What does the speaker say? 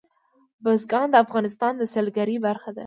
بزګان د افغانستان د سیلګرۍ برخه ده.